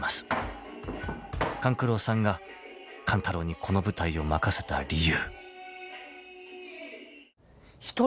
［勘九郎さんが勘太郎にこの舞台を任せた理由］